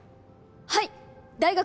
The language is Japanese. はい大学